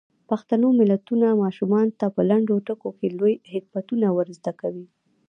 پښتو متلونه ماشومانو ته په لنډو ټکو کې لوی حکمتونه ور زده کوي.